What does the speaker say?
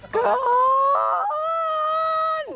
เกิน